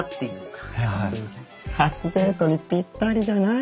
初デートにぴったりじゃない？